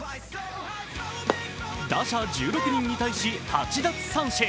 打者１６人に対し、８奪三振。